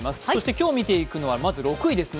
今日見ていくのはまず６位です。